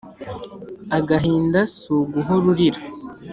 Agahinda si uguhora urira.